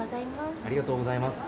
ありがとうございます。